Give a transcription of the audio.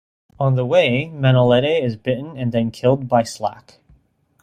On the way, Manolete is bitten and then killed by Slack.